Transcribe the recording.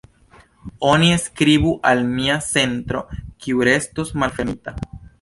Oni skribu al mia centro kiu restos malfermita.